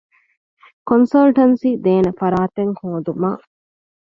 ކޮންސަލްޓެންސީ ދޭނެ ފަރާތެއް ހޯދުމަށް